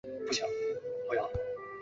僧孺是隋代仆射牛弘的后代。